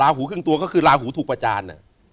หูครึ่งตัวก็คือลาหูถูกประจาน